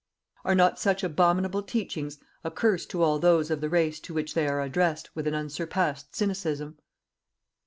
Are not such abominable teachings a curse to all those of the race to which they are addressed with an unsurpassed cynicism?